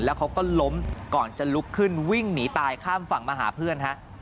แล้วเขาก็ล้มก่อนจะลุกขึ้นวิ่งหนีตายข้ามฝั่งมาหาเพื่อนฮะ